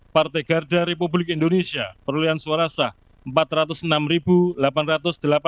partai garda republik indonesia perolehan suara sah rp empat ratus enam delapan ratus delapan puluh